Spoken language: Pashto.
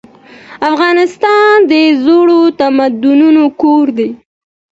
افغانستان د زړو تمدنونو کور دی.